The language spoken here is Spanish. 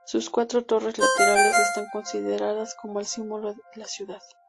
Sus cuatro torres laterales están consideradas como el símbolo de la ciudad.